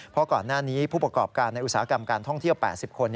เพราะก่อนหน้านี้ผู้ประกอบการในอุตสาหกรรมการท่องเที่ยว๘๐คน